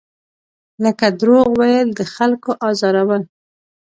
لکه دروغ ویل، د خلکو ازارول.